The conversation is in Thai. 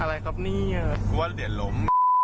อะไรครับนี่อ่ะกลัวเดี๋ยวหลม